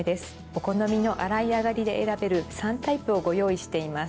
お好みの洗い上がりで選べる３タイプをご用意しています。